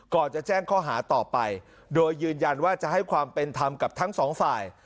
ก่อนจะแจ้งข้อหาต่อไปโดยยืนยันว่าจะให้ความเป็นธรรมกับทั้งสองฝ่าย